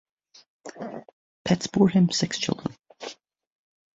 Petz bore him six children.